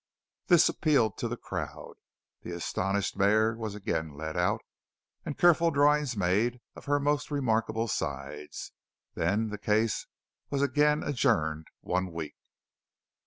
This appealed to the crowd. The astonished mare was again led out, and careful drawings made of her most remarkable sides. Then the case was again adjourned one week.